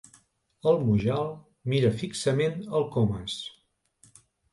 El Mujal mira fixament el Comas.